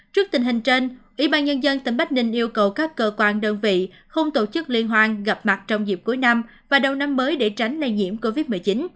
trước tình hình trên ubnd tỉnh bắc ninh yêu cầu các cơ quan đơn vị không tổ chức liên hoan gặp mặt trong dịp cuối năm và đầu năm mới để tránh lây nhiễm covid một mươi chín